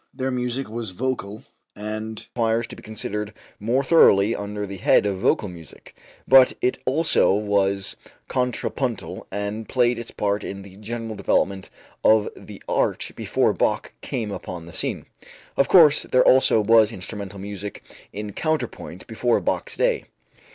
Their music was vocal and requires to be considered more thoroughly under the head of vocal music, but it also was contrapuntal and played its part in the general development of the art before Bach came upon the scene. Of course, there also was instrumental music in counterpoint before Bach's day.